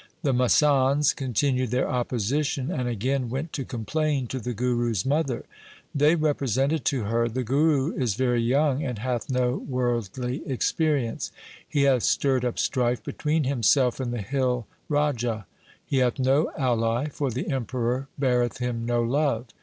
The masands continued their opposition and again went to complain to the Guru's mother. They repre sented to her, ' The Guru is very young, and hath no worldly experience. He hath stirred up strife between himself and the hill Raja. He hath no ally, for the Emperor beareth him no love.